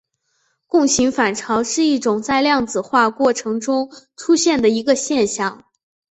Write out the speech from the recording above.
共形反常是一种在量子化过程中出现的一个现象。